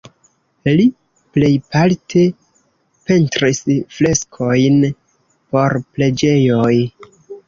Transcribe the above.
Li plejparte pentris freskojn por preĝejoj.